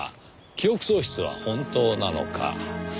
記憶喪失は本当なのか。